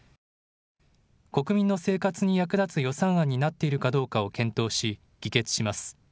国民の生活に役立つ予算案になっているかどうかを検討し、議決します。